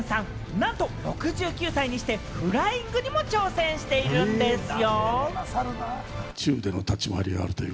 なんと６９歳にしてフライングにも挑戦しているんですよ。